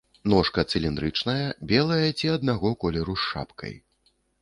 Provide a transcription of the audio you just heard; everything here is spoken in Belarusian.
Ножка цыліндрычная, белая ці аднаго колеру з шапкай.